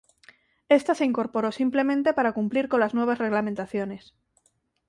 Esta se incorporó simplemente para cumplir con las nuevas reglamentaciones.